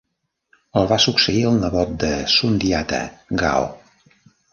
El va succeir el nebot de Sundiata, Gao.